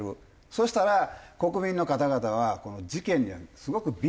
そしたら国民の方々は事件にはすごく敏感なんですね。